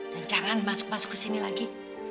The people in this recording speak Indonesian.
dan jangan masuk masuk ke sini lagi